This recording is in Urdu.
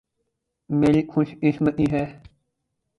میری خوش قسمتی ہے۔